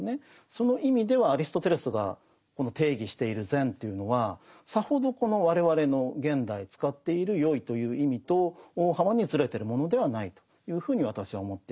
その意味ではアリストテレスがこの定義している善というのはさほどこの我々の現代使っているよいという意味と大幅にずれてるものではないというふうに私は思っています。